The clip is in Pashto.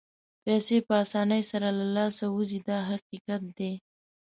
پیسې په اسانۍ سره له لاسه وځي دا حقیقت دی.